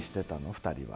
２人は今。